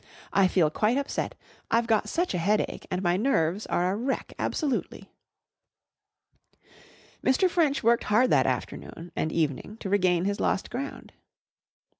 "I feel quite upset. I've got such a headache and my nerves are a wreck absolutely." Mr. French worked hard that afternoon and evening to regain his lost ground.